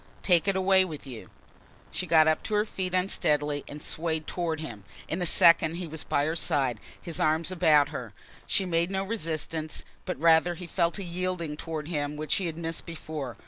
"Take it away with you." She got up to her feet unsteadily and swayed toward him. In a second he was by her side, his arms about her. She made no resistance, but rather he felt a yielding towards him which he had missed before.